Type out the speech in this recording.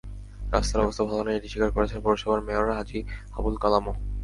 রাস্তার অবস্থা ভালো নয়, এটি স্বীকার করেছেন পৌরসভার মেয়র হাজি আবুল কালামও।